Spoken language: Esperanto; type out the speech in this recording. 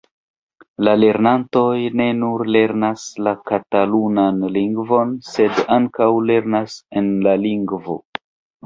La lernantoj ne nur lernas la katalunan lingvon, sed ankaŭ lernas en la lingvo.